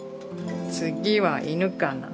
次は犬かな。